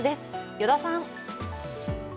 依田さん。